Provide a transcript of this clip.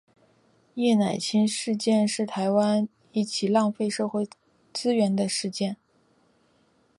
叶乃菁事件是台湾一起浪费社会资源的事件。